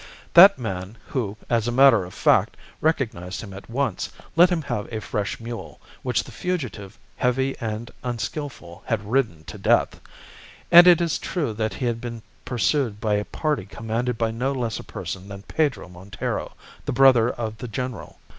That man, who, as a matter of fact, recognized him at once, let him have a fresh mule, which the fugitive, heavy and unskilful, had ridden to death. And it was true he had been pursued by a party commanded by no less a person than Pedro Montero, the brother of the general.